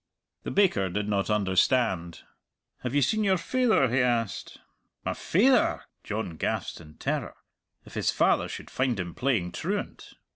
The baker did not understand. "Have you seen your faither?" he asked. "My faither!" John gasped in terror. If his father should find him playing truant!